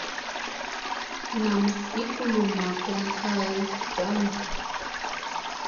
Nam vi kuluma kom kay kanu.